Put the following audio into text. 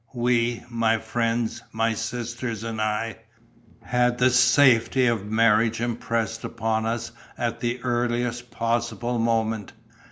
We my friends, my sisters and I had the 'safety' of marriage impressed upon us at the earliest possible moment.